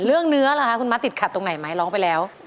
เรื่องเนื้อคุณมัสติดขัดตรงไหนไหมร้องไปแล้ว